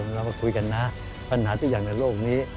เรามาคุยกันนะปัญหาทุกอย่างในโลกนี้